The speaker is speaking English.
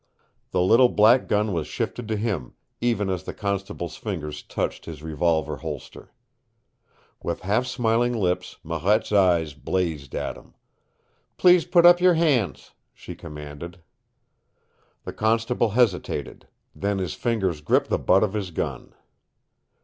The little black gun was shifted to him, even as the constable's fingers touched his revolver holster. With half smiling lips, Marette's eyes blazed at him. "Please put up your hands," she commanded. The constable hesitated; then his fingers gripped the butt of his gun.